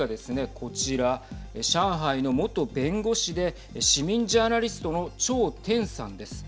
こちら上海の元弁護士で市民ジャーナリストの張展さんです。